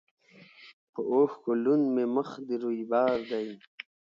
په اوښکو لوند مي مخ د رویبار دی